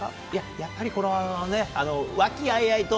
やっぱり、和気あいあいと。